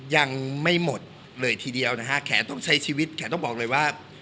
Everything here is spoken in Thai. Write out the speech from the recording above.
ยังไม่หมดเลยทีเดียวนะฮะแขนต้องใช้ชีวิตแขนต้องบอกเลยว่า